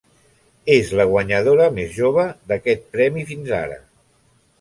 És la guanyadora més jove d'aquest premi fins ara.